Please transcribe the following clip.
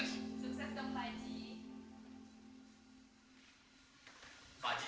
sukses dong pak haji